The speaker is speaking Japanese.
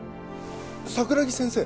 桜木先生！